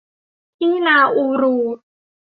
ที่นาอูรู